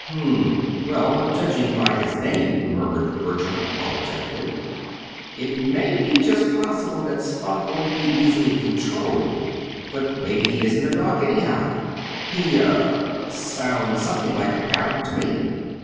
"Hm m; well, judging by his name," murmured Bertram, apologetically, "it may be just possible that Spunk won't be easily controlled. But maybe he isn't a dog, anyhow. He er sounds something like a parrot to me."